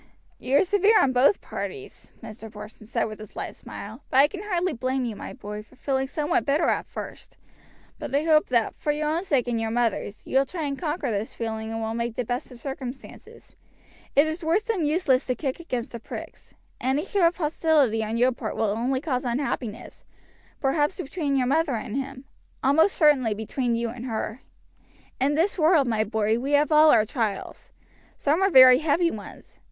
"You are severe on both parties," Mr. Porson said with a slight smile; "but I can hardly blame you, my boy, for feeling somewhat bitter at first; but I hope that, for your own sake and your mother's, you will try and conquer this feeling and will make the best of the circumstances. It is worse than useless to kick against the pricks. Any show of hostility on your part will only cause unhappiness, perhaps between your mother' and him almost certainly between you and her. In this world, my boy, we have all our trials. Some are very heavy ones.